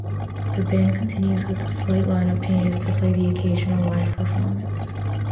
The band continues, with slight lineup changes, to play the occasional live performance.